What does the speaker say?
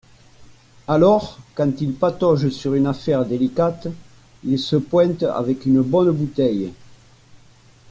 Alors quand il patauge sur une affaire délicate, il se pointe avec une bonne bouteille